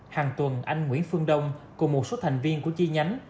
hàng tuần anh nguyễn phương đông cùng một số thành viên của chi nhánh